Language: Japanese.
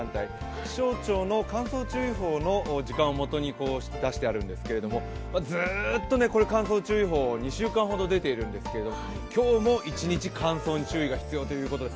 気象庁の乾燥注意報の時間をもとに出してあるんですけれども、ずーっと乾燥注意報、２週間ほど出ているんですけれども今日も一日乾燥に注意が必要ということです。